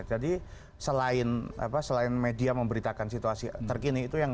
jadi selain media memberitakan situasi terkini